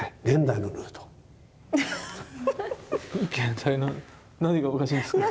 現代の何がおかしいんですか？